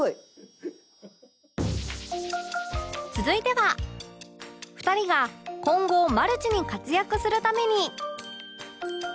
続いては２人が今後マルチに活躍するために